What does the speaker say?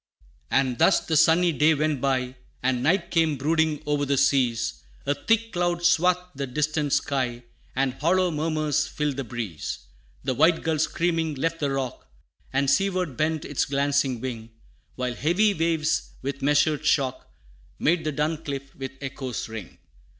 IX. "And thus the sunny day went by, And night came brooding o'er the seas; A thick cloud swathed the distant sky, And hollow murmurs filled the breeze. The white gull screaming, left the rock, And seaward bent its glancing wing, While heavy waves, with measured shock, Made the dun cliff with echoes ring.